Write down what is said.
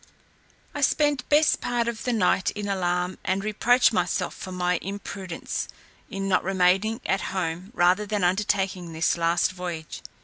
I spent best part of the night in alarm, and reproached myself for my imprudence in not remaining at home, rather than undertaking this last voyage.